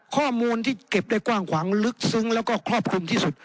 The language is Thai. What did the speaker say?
ข้อมูลที่เก็บได้กว้างขวางลึกซึ้งแล้วก็ครอบคลุมที่สุด